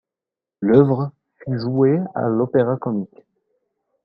L'œuvre fut jouée à l'Opéra-Comique.